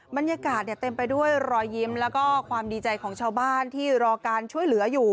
บรรยากาศเต็มไปด้วยรอยยิ้มแล้วก็ความดีใจของชาวบ้านที่รอการช่วยเหลืออยู่